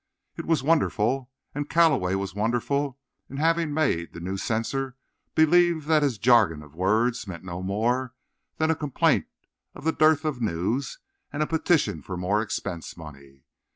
It was wonderful. And Calloway was wonderful in having made the new censor believe that his jargon of words meant no more than a complaint of the dearth of news and a petition for more expense money.